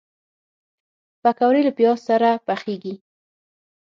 پکورې له پیاز سره پخېږي